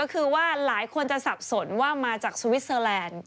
ก็คือว่าหลายคนจะสับสนว่ามาจากสวิสเตอร์แลนด์